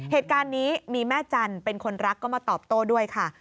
เหตุการณ์นี้มีแม่จันทร์เป็นคนรักก็มาตอบโต้ด้วยค่ะ